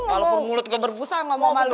walaupun mulut gak berpusat ngomong sama lu